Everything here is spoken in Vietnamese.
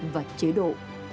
và chế độ